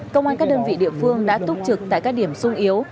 công an các đơn vị địa phương đã túc trực tại các điểm sung yếu